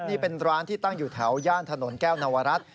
นี่เป็นร้านที่ตั้งอยู่แถวย่านถนนแก้วนวรัฐ